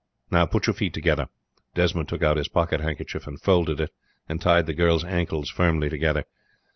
Now put your feet together." Desmond took out his pocket handkerchief and folded it, and tied the girl's ankles firmly together.